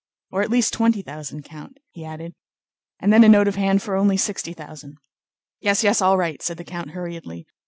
"Or at least twenty thousand, Count," he added, "and then a note of hand for only sixty thousand." "Yes, yes, all right!" said the count hurriedly.